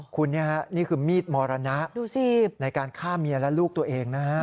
คุณนี่คือมีดมรณะในการฆ่าเมียและลูกตัวเองนะครับ